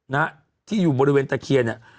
นะฮะที่อยู่บริเวณตะเคียนเนี่ย